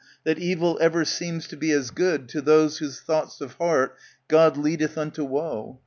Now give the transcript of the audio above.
That evil ever seems to be as good To those whose thoughts of heart God leadeth unto woe.